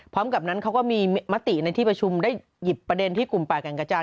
พร้อมกับนั้นเขาก็มีมติในที่ประชุมได้หยิบประเด็นที่กลุ่มป่าแก่งกระจาน